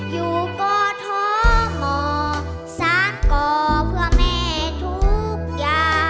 อยู่ก่อท้อหมอซากก่อเพื่อแม่ทุกข์